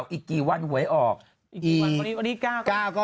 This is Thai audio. หรือเปล่าอีกกี่วันไหวออก